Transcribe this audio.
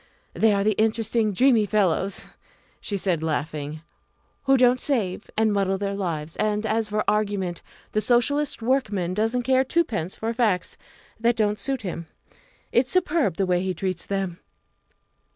they are the interesting, dreamy fellows," she said, laughing, "who don't save, and muddle their lives. And as for argument, the Socialist workman doesn't care twopence for facts that don't suit him. It's superb the way he treats them!"